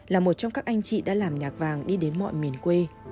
là một trong các anh chị đã làm nhạc vàng đi đến mọi miền quê